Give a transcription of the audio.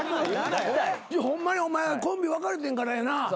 ホンマにお前はコンビ別れてんからやな